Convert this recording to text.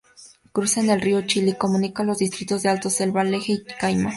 Cruza el río Chili y comunica los distritos de Alto Selva Alegre y Cayma.